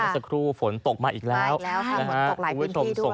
สักครู่ฝนตกมาอีกแล้วอีกแล้วค่ะฝนตกหลายพื้นที่ด้วย